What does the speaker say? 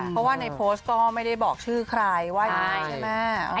เพราะว่าในโพสต์ก็ไม่ได้บอกชื่อใครว่าอย่างนี้ใช่ไหม